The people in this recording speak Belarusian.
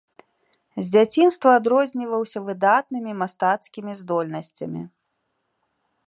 З дзяцінства адрозніваўся выдатнымі мастацкімі здольнасцямі.